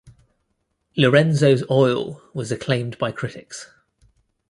"Lorenzo's Oil" was acclaimed by critics.